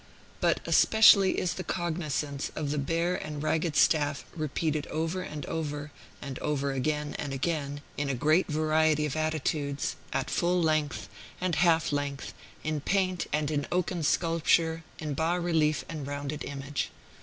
But especially is the cognizance of the Bear and Ragged Staff repeated over and over, and over again and again, in a great variety of attitudes, at full length, and half length, in paint and in oaken sculpture, in bas relief and rounded image.